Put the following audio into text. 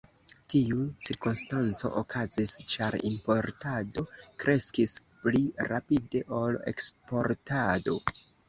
Tiu cirkonstanco okazis ĉar importado kreskis pli rapide ol eksportado.